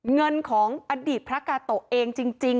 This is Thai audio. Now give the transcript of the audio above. เงินของอดีตพระกาโตะเองจริง